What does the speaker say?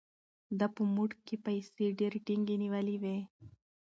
ده په موټ کې پیسې ډېرې ټینګې نیولې وې.